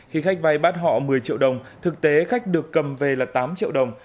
khi khách vay bắt họ một mươi triệu đồng thực tế khách được cầm về là tám triệu đồng